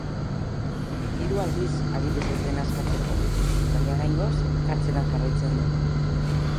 Hiru aldiz agindu zuten askatzeko, baina oraingoz kartzelan jarraitzen du.